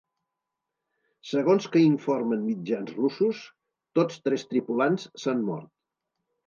Segons que informen mitjans russos, tots tres tripulants s’han mort.